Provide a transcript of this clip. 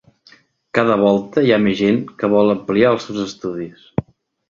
Cada volta hi ha més gent que vol ampliar els seus estudis.